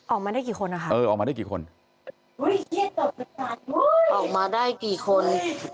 ออกมาได้กี่คนนะคะเออออกมาได้กี่คนออกมาได้กี่คน